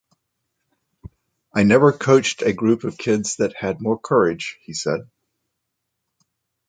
"I never coached a group of kids that had more courage," he said.